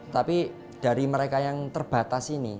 tapi dari mereka yang terbatas ini